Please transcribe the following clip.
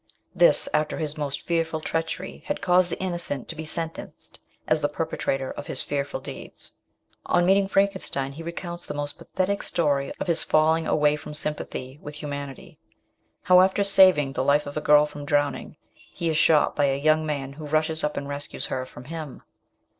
This, after his most fearful treachery had caused the innocent to be sentenced as the perpetrator of his fearful deeds. On meeting Frankenstein he recounts the most pathetic story of his falling away from sympathy with humanity : how, after saving the life of a girl from drowning, he is shot by a young man who rushes up and rescues her from him.